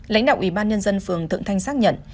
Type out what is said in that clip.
lãnh đạo ủy ban nhân dân phường thượng thanh xác nhận